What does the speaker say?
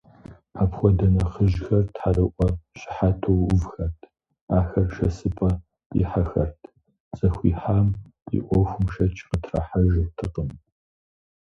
Апхуэдэ нэхъыжьхэр тхьэрыӀуэ щыхьэту увхэрт, ахэр шэсыпӀэ ихьэхэрт, зыхуихьам и Ӏуэхум шэч къытрахьэжыртэкъым.